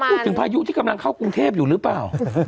เขาพูดถึงพายุที่กำลังเข้ากรุงเทพฯอยู่หรือเปล่า